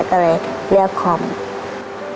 ก็เลยเลือกคอมธุรกิจค่ะ